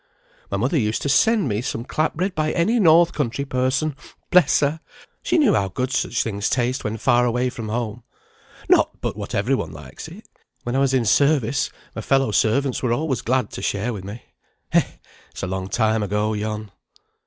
"My mother used to send me some clap bread by any north country person bless her! She knew how good such things taste when far away from home. Not but what every one likes it. When I was in service my fellow servants were always glad to share with me. Eh, it's a long time ago, yon."